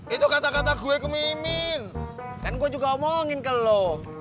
itu kata kata gue kumimin kan gue juga omongin ke lo